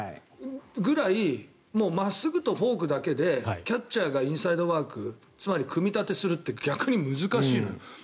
それぐらい真っすぐとフォークだけでキャッチャーがインサイドワークつまり組み立てするって逆に難しいのよ。